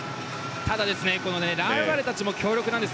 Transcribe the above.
ただ、ライバルたちも強力なんです。